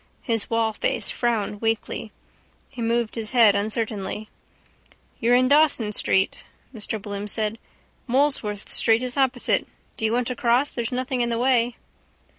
His wallface frowned weakly. He moved his head uncertainly. —You're in Dawson street, Mr Bloom said. Molesworth street is opposite. Do you want to cross? There's nothing in the way.